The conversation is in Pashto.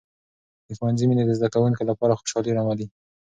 د ښوونځي مینې د زده کوونکو لپاره خوشحالي راملوي.